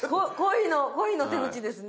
恋の手口ですね。